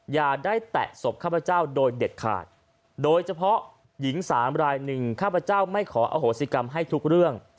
อย่าได้แตะศพข้าพเจ้าโดยเด็ดขาดโดยเฉพาะหญิงสามรายหนึ่งข้าพเจ้าไม่ขออโหสิกรรมให้ทุกเรื่อง